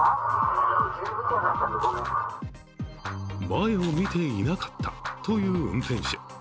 前を見ていなかったという運転手。